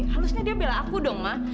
halusnya dia bela aku dong ma